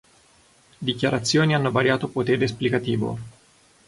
Dichiarazioni hanno variato potere esplicativo.